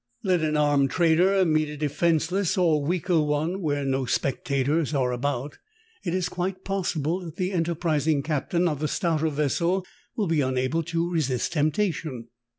Let an armed trader meet a defenseless or weaker one where no spectators are about, it is quite possible that the enterprising captain of the stouter vessel will be unable to resist temptation.